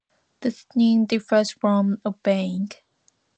Listening differs from obeying.